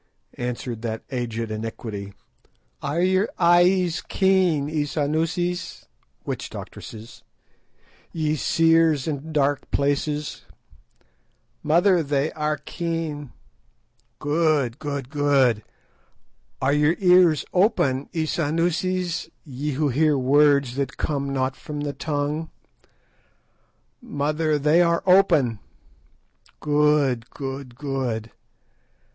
_" answered that aged Iniquity. "Are your eyes keen, Isanusis [witch doctresses], ye seers in dark places?" "Mother, they are keen." "Good! good! good! Are your ears open, Isanusis, ye who hear words that come not from the tongue?" "Mother, they are open." "_Good! good! good!